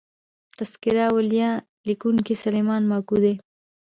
" تذکرة الاولیا" لیکونکی سلیمان ماکو دﺉ.